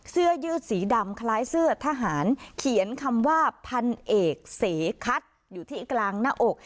เสื้อยืดสีดำคล้ายเสื้อทหารเขียนคำว่าพันเอกเสคัทอยู่ที่กลางหน้าอก